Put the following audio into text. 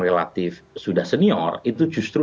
relatif sudah senior itu justru